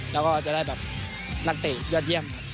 แล้วก็จะได้แบบนักเตะเยอะแย่ง